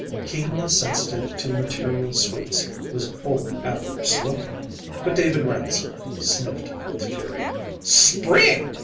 Keenly sensitive to material sweets was old Abner Slocum. But David Ransom sniffed with fury. "Spring!"